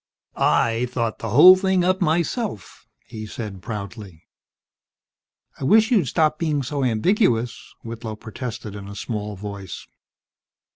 "I thought the whole thing up, myself," he said, proudly. "I wish you'd stop being so ambiguous," Whitlow protested in a small voice.